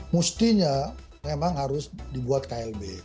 mestinya memang harus dibuat klb